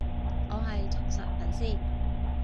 我係忠實粉絲